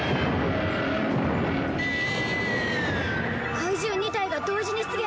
怪獣２体が同時に出現。